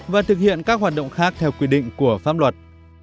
và thực hiện các hoạt động khác theo quy định của pháp luật